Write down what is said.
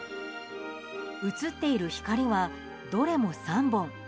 映っている光はどれも３本。